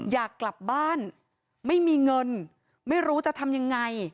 อยากกลับบ้านไม่มีเงินไม่รู้จะทำยังไง